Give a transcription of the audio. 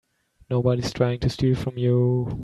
Nobody's trying to steal from you.